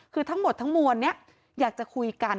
คือทั้งหมดทั้งมวลนี้อยากจะคุยกัน